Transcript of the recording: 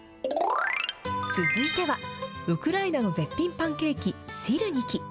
続いては、ウクライナの絶品パンケーキ、スィルニキ。